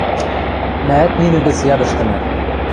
Мӓӓт нинӹ гӹц ядыштына.